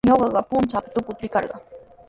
Ñuqa puntrawpa tukuta rikarqaa.